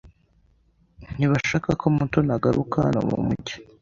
Ntibashaka ko Mutoni agaruka hano mu mugi.